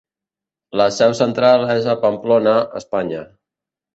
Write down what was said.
La seu central és a Pamplona, Espanya.